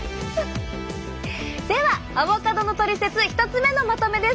ではアボカドのトリセツ１つ目のまとめです。